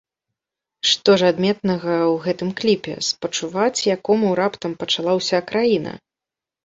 Што ж адметнага ў гэтым кліпе, спачуваць якому раптам пачала ўся краіна?